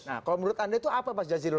nah kalau menurut anda itu apa pak zazie dulk